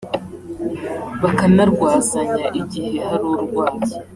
bakanarwazanya igihe hari urwaye